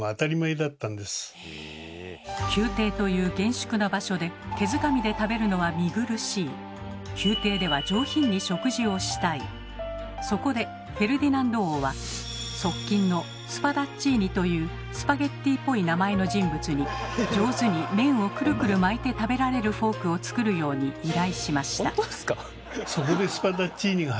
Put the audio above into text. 宮廷という厳粛な場所でそこでフェルディナンド王は側近のスパダッチーニというスパゲッティっぽい名前の人物に上手に麺をくるくる巻いて食べられるフォークを作るように依頼しました。